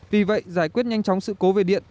vì vậy giải quyết nhanh chóng sự cố về điện